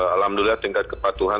alhamdulillah tingkat kepatuhan